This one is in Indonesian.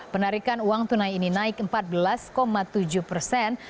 penarikan uang tunai ini naik empat belas tujuh persen